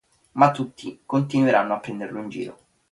Ma tutti continuano a prenderlo in giro.